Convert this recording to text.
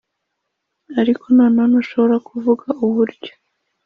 ariko nanone ntushobora kuvuga uburyo